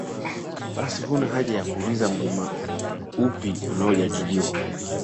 basi huna haja ya kuuliza Mlima upi unaojadiliwa